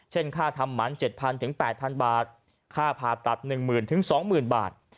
เช่นค่าทำหมัน๗๐๐๐ถึง๘๐๐๐บาทค่าผ่าตัด๑๐๐๐๐ถึง๒๐๐๐๐บาท